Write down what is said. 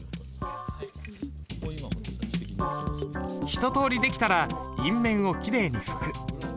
一とおり出来たら印面をきれいに拭く。